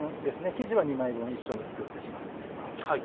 生地は２枚分一緒に作ってしまっています。